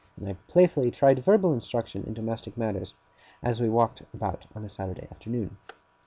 Then I playfully tried verbal instruction in domestic matters, as we walked about on a Saturday afternoon.